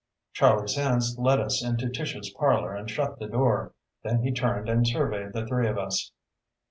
Charlie Sands led us into Tish's parlor and shut the door. Then he turned and surveyed the three of us.